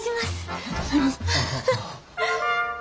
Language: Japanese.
ありがとうございます。